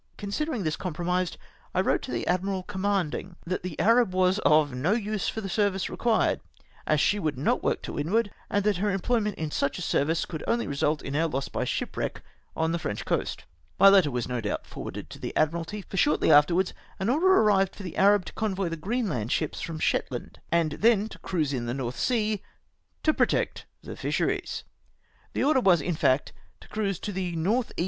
Considering this compromised, I wrote to the admiral commanding, that the Arab was of no use for the service required, as she would not work to windward, and that her employment in such a service could only result in our loss by shipwreck on the French coast. My letter was no doubt forwarded to the Admiralty, for shortly afterwards an order arrived for the Arab to convoy the Greenland ships from Shetland, and then to cruise in the North Sea, to protect the fisheries. The order was, in fact, to cruise to the N. E.